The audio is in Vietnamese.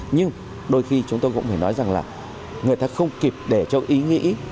nhưng đôi khi chúng tôi cũng phải nói rằng là người ta không kịp để cho ý nghĩ